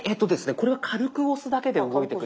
これは軽く押すだけで動いてくれます。